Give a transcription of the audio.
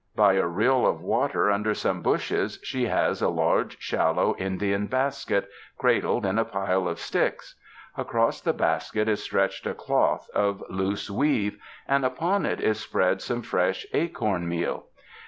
By a rill of water under some bushes she has a large, shallow Indian basket, cradled in a pile of sticks. Across the basket is stretched a cloth of loose weave, and upon it is spread some fresh acorn meal.